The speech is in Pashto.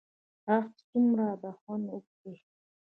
اه څومره به خوند وکړي.